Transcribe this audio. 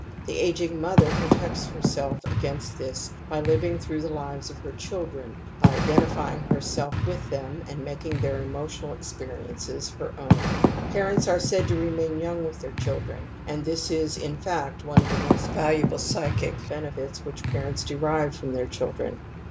(The ageing mother protects herself against this by "^X ■^./ 26 TOTEM AND TABOO living through the lives of her chfldren, by (J identifying herself with them and making their emotional experiences her own.Q Parents are said to remain young with their children, and ^< this is, in fact, one of the most valuable psychic benefits which parents derive from their children.